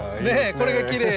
これがきれい。